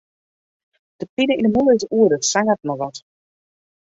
De pine yn 'e mûle is oer, it sangeret noch sa wat.